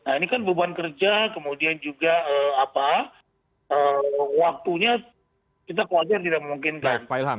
nah ini kan beban kerja kemudian juga waktunya kita khawatir tidak memungkinkan